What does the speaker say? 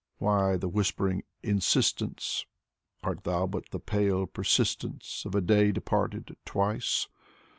Why the whispering insistence, — Art thou but the pale persistence Of a day departed twice?